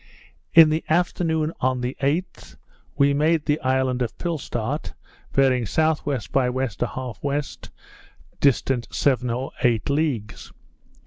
In the afternoon on the 8th, we made the island of Pilstart, bearing S.W. by W. 1/2 W., distant seven or eight leagues.